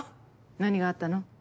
何があったの？